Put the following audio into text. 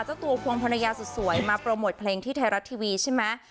เจ้าตัวควงภรรยาสุดสวยมาโปรโมทเพลงที่ไทยรัฐทีวีใช่ไหม